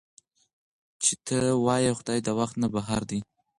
چې تۀ وائې خدائے د وخت نه بهر دے